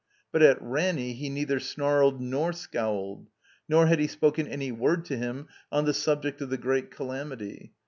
But at Ranny he neither snarled nor scowled, nor had he spoken any word to him on the subject of the great calamity.